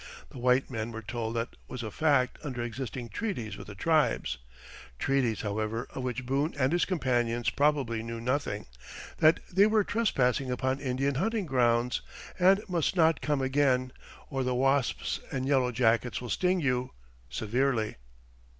The white men were told what was a fact under existing treaties with the tribes treaties, however, of which Boone and his companions probably knew nothing that they were trespassing upon Indian hunting grounds, and must not come again, or "the wasps and yellow jackets will sting you severely."